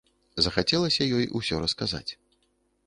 Захацелася ёй усё расказаць.